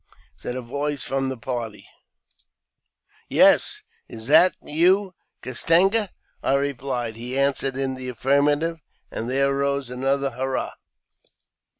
said a voice from the party. " Yes. Is that you, Castenga ?" I replied. He answered in the affirmative, and there arose another hurrah.